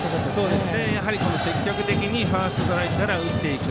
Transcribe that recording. やはり積極的にファーストストライクから打っていく。